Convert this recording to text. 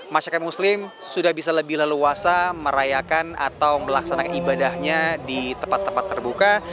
masyarakat muslim sudah bisa lebih leluasa merayakan atau melaksanakan ibadahnya di tempat tempat terbuka